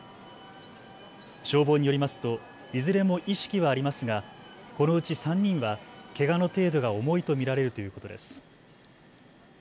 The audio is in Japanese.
消防によりますといずれも意識はありますがこのうち３人はけがの程度が重いと見られるということです。